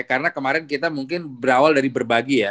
karena kemarin kita mungkin berawal dari berbagi ya